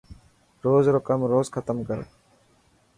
روز رو ڪم روز ختم ڪر.